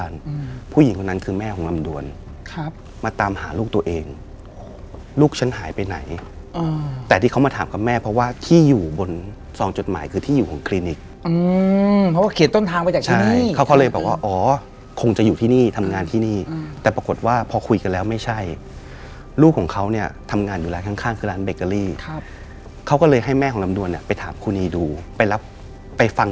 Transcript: ลำดวนมาตามหาลูกตัวเองลูกฉันหายไปไหนแต่ที่เขามาถามกับแม่เพราะว่าที่อยู่บนซองจดหมายคือที่อยู่ของคลินิกเพราะเขียนต้นทางไปจากที่นี่เขาก็เลยบอกว่าอ๋อคงจะอยู่ที่นี่ทำงานที่นี่แต่ปรากฏว่าพอคุยกันแล้วไม่ใช่ลูกของเขาเนี่ยทำงานอยู่แล้วข้างคือร้านเบเกอรี่เขาก็เลยให้แม่ของลำดวนไปถามคุณีดูไปรับไปฟั